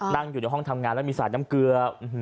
นั่งอยู่ในห้องทำงานแล้วมีสายน้ำเกลือ